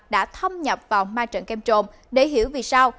đã thâm nhập vào ma trận kem trộn để hiểu vì sao